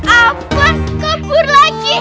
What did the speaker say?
apa kabur lagi